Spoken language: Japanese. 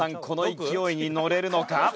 この勢いに乗れるのか？